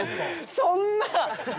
そんなぁ！